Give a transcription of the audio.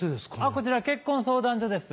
こちら結婚相談所です。